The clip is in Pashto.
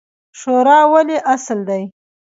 شورا ولې اصل دی؟